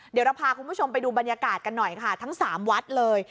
เดี๋ยวเราพาคุณผู้ชมไปดูบรรยากาศกันหน่อยค่ะทั้ง๓วัดเลย